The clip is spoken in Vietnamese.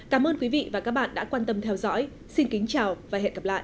cảm ơn quý vị và các bạn đã quan tâm theo dõi xin kính chào và hẹn gặp lại